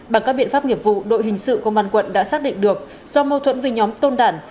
bằng các biện pháp nghiệp vụ đội hình sự công an quận đã xác định được do mâu thuẫn với nhóm tôn đản